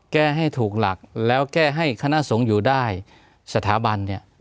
แก้ให้ถูกหลักแล้วแก้ให้คณะสงฆ์อยู่ได้สถาบันเนี่ย